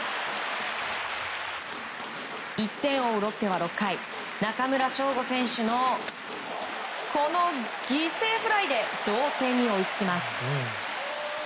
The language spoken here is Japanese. １点を追うロッテは６回中村奨吾選手のこの犠牲フライで同点に追いつきます。